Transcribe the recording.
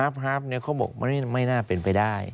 ครับเขาบอกมันไม่น่าเป็นไปได้